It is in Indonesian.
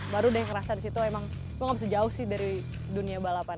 baru udah ngerasa disitu emang gue gak bisa jauh sih dari dunia balapan